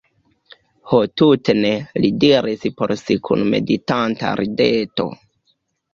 Ho tute ne, li diris por si kun meditanta rideto.